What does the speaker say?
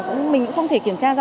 mình cũng không thể kiểm tra rõ